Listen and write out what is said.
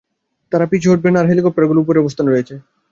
তারা পিছু হটবে না, আর হেলিকপ্টারগুলোও উপরে অবস্থানরত রয়েছে।